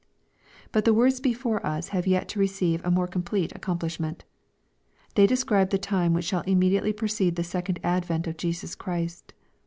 But the words before us have yet to receive a more complete accomplishment. They describe the time which shall immediately precede the second advent of Jesus Christ.